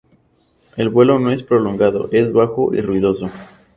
El vuelo no es prolongado, es bajo y ruidoso.